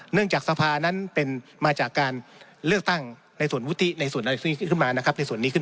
เนื่องจากสภานั้นเป็นมาจากการเลือกตั้งในส่วนวุฒิในส่วนนี้ขึ้นมานะครับ